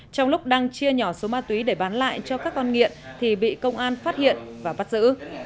trong lúc đang chia nhỏ số ma túy để bán lại cho các con nghiện thì bị công an phát hiện và bắt giữ